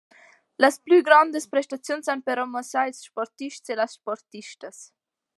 Las plü grondas prestaziuns han però muossà ils sportists e las sportistas.